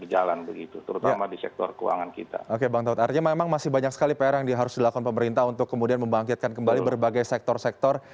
jalan begitu terutama di sektor keuangan kita oke bang tauhid artinya memang masih banyak sekali pr yang harus dilakukan pemerintah untuk kemudian membangkitkan kembali berbagai sektor sektor